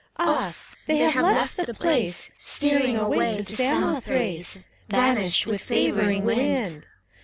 Off I they have left the place, Steering away to Samothrace, Vanished with favoring wind.